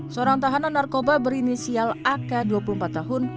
seorang tahanan narkoba berinisial ak dua puluh empat tahun